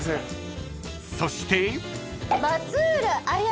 ［そして］